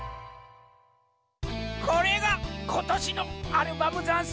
これがことしのアルバムざんす。